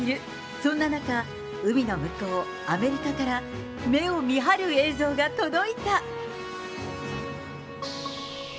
そんな中、海の向こう、アメリカから、目を見張る映像が届いた。